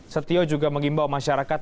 setio juga mengimbau masyarakat